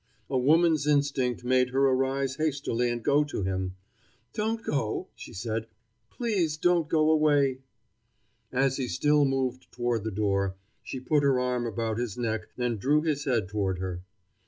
A woman's instinct made her arise hastily and go to him. "Don't go," she said; "please don't go away." As he still moved toward the door, she put her arm about his neck and drew his head toward her.